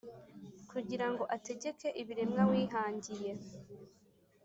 kugira ngo ategeke ibiremwa wihangiye,